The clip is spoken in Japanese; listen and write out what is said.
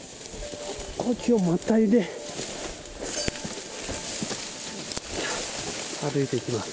この木をまたいで歩いていきます。